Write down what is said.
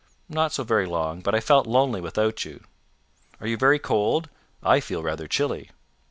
"Not so very long, but I felt lonely without you." "Are you very cold? I feel rather chilly."